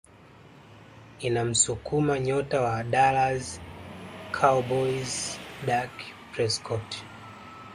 inamsukuma nyota wa Dallas Cowboys Dak Prescott